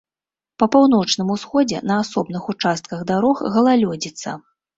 Па паўночным усходзе на асобных участках дарог галалёдзіца.